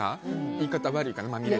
言い方悪いか。